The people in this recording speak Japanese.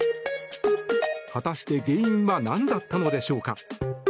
果たして、原因はなんだったのでしょうか。